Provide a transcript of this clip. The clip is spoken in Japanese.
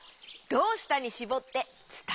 「どうした」にしぼっていうと？